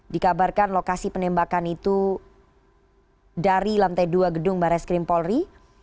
dikabarkan lokasi penembakan itu dari lantai dua gedung barreskrim polri